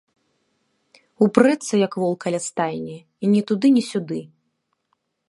Упрэцца, як вол каля стайні, і ні туды, ні сюды.